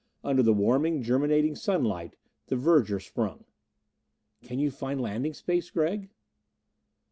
Under the warming, germinating sunlight, the verdure sprung. "Can you find landing space, Gregg?"